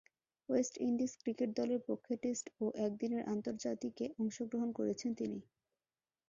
West Indies cricket দলের পক্ষে test ও একদিনের আন্তর্জাতিকে অংশগ্রহণ করেছেন তিনি।